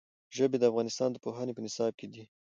ژبې د افغانستان د پوهنې په نصاب کې دي.